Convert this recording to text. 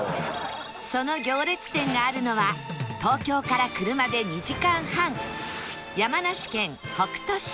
その行列店があるのは東京から車で２時間半山梨県北杜市